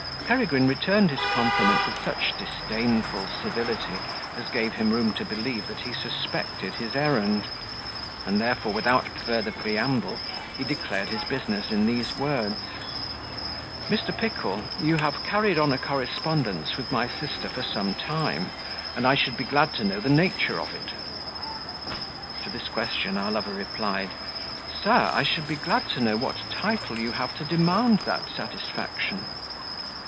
Peregrine returned his compliment with such disdainful civility as gave him room to believe that he suspected his errand; and therefore, without further preamble, he declared his business in these words: "Mr. Pickle, you have carried on a correspondence with my sister for some time, and I should be glad to know the nature of it." To this question our lover replied, "Sir, I should be glad to know what title you have to demand that satisfaction?"